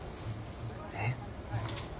えっ？